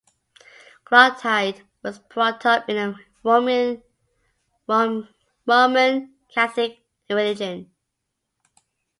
Clotilde was brought up in the Roman Catholic religion.